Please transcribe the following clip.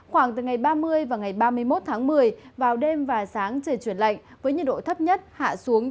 khoảng từ ngày ba mươi và ngày ba mươi một tháng một mươi vào đêm và sáng trời chuyển lạnh với nhiệt độ thấp nhất hạ xuống